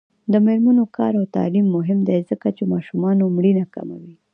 د میرمنو کار او تعلیم مهم دی ځکه چې ماشومانو مړینه کموي.